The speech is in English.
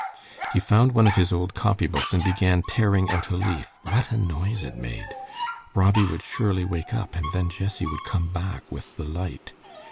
He found one of his old copybooks, and began tearing out a leaf. What a noise it made! Robbie would surely wake up, and then Jessie would come back with the light.